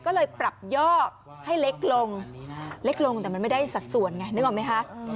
ก็เลยปรับยอดให้เล็กลงเล็กลงแต่มันไม่ได้สัดส่วนไงนึกออกไหมคะ